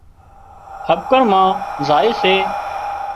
هٻڪڻ مان زائي سي